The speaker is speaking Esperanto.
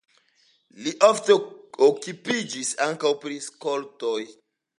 Li ofte okupiĝis ankaŭ pri skoltoj.